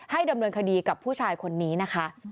ดำเนินคดีกับผู้ชายคนนี้นะคะ